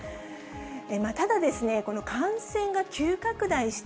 ただ、感染が急拡大して、